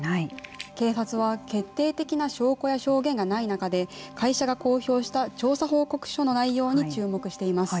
警察は決定的な証拠や証言がない中で会社が公表した調査報告書の内容に注目しています。